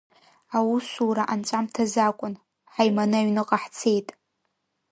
Аусура анҵәамҭазы акәын, ҳаиманы аҩныҟа ҳцеит.